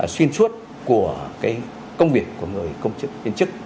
xuyên suốt của công việc của người công chức viên chức